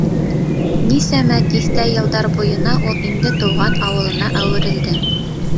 Нисәмә тиҫтә йылдар буйына ул инде тыуған ауылына әүерелде.